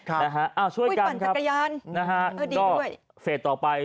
อ้าวช่วยกันครับตรงเฟสต์ต่อไป